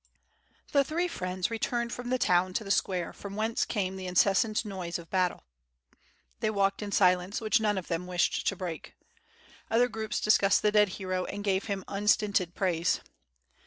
The three friends returned from the town to the square, from whence came the incessant noise of battle. They walked in silence which none of them wished to break. Other groups discussed the dead hero and gave him unstinted praise.